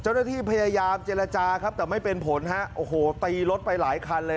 เจ้าหน้าที่พยายามเจรจาครับแต่ไม่เป็นผลฮะโอ้โหตีรถไปหลายคันเลย